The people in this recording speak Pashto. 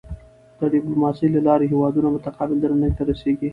د ډیپلوماسۍ له لارې هېوادونه متقابل درناوي ته رسيږي.